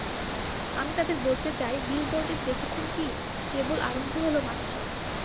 আমি তাদের বলতে চাই, বিলবোর্ডের দেখেছেন কী, কেবল আরম্ভ হলো মাত্র।